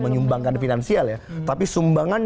menyumbangkan finansial ya tapi sumbangan